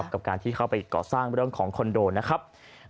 กับการที่เข้าไปก่อสร้างเรื่องของคอนโดนะครับ